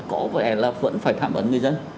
có vẻ là vẫn phải tham vận người dân